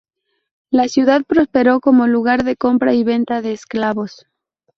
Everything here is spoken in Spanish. La ciudad prosperó como lugar de compra y venta de esclavos.